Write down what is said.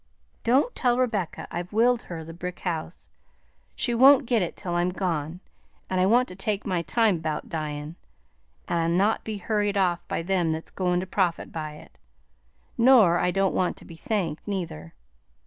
"Don't tell Rebecca I've willed her the brick house. She won't git it till I'm gone, and I want to take my time 'bout dyin' and not be hurried off by them that's goin' to profit by it; nor I don't want to be thanked, neither.